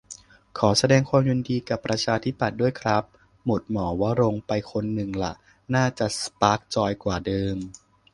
ขอแสดงความยินดีกับประชาธิปัตย์ด้วยครับ หมดหมอวรงค์ไปคนหนึ่งละ น่าจะสปาร์คจอยกว่าเดิม